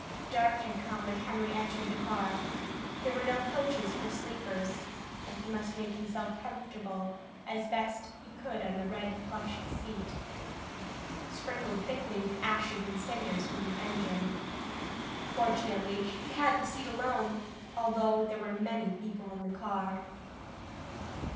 Dark had already come when Harry entered the car. There were no coaches for sleepers, and he must make himself comfortable as best he could on the red plush seat, sprinkled thickly with ashes and cinders from the engine. Fortunately, he had the seat alone, although there were many people in the car.